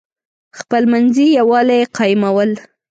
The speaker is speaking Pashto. خپلمنځي یوالی قایمول.